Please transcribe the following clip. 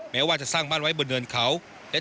แม้ว่าจะสร้างบ้านไว้บนเนินเขา